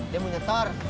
dia mau setor